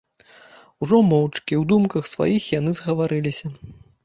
Ужо моўчкі ў думках сваіх яны згаварыліся.